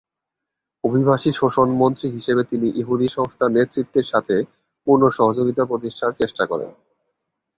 অভিবাসী শোষণ মন্ত্রী হিসেবে তিনি ইহুদি সংস্থার নেতৃত্বের সাথে পূর্ণ সহযোগিতা প্রতিষ্ঠার চেষ্টা করেন।